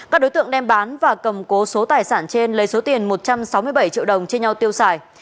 các đối tượng đem bán và cầm cố số tài sản trên lấy số tiền một trăm sáu mươi bảy triệu đồng chia nhau tiêu xài